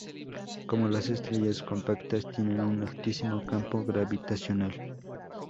Como las estrellas compactas tienen un altísimo campo gravitacional.